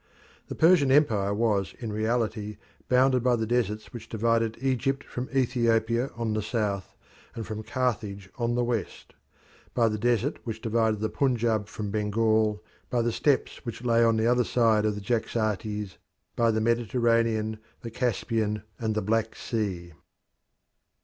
The Persian empire was in reality bounded by the deserts which divided Egypt from Ethiopia on the south and from Carthage on the west; by the desert which divided the Punjab from Bengal; by the steppes which lay on the other side of the Jaxartes; by the Mediterranean, the Caspian, and the Black Sea.